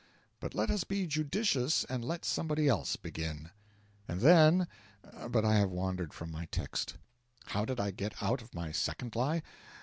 But let us be judicious and let somebody else begin. And then But I have wandered from my text. How did I get out of my second lie?